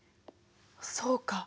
そうか。